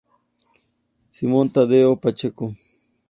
Simón Tadeo Pacheco.